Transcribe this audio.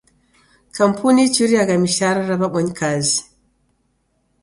Kampuni ichuriagha mishara ra w'abonyi kazi.